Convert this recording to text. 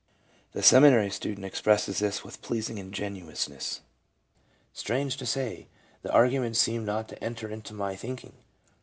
The seminary student expresses this with pleasing ingenuousness: "Strange to say, the arguments seemed not to enter into my thinking.